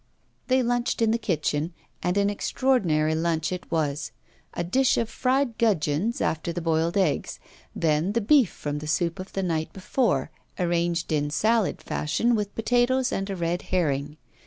They lunched in the kitchen, and an extraordinary lunch it was; a dish of fried gudgeons after the boiled eggs; then the beef from the soup of the night before, arranged in salad fashion, with potatoes, and a red herring.